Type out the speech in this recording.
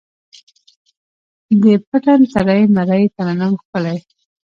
د پتڼ ترۍ، مرۍ ترنم ښکلی